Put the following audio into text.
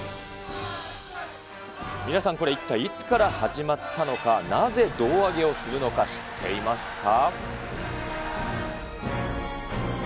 皆さんこれ一体いつから始まったのか、なぜ胴上げをするのか、知っていますか？